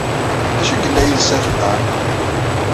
D acu ay yella yelsa-t Dan?